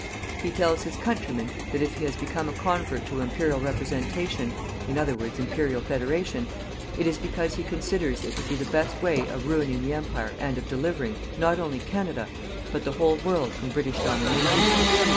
He tells his countrymen that if he has become a convert to Imperial representation in other words, Imperial Federation it is because he considers it would be the best way of ruining the Empire and of delivering, not only Canada, but the whole world from British domination.